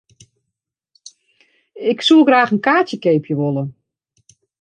Ik soe graach in kaartsje keapje wolle.